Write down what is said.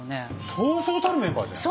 そうそうたるメンバーじゃない。